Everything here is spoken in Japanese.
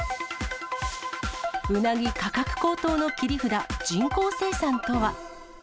ウナギ価格高騰の切り札、人工生産とは？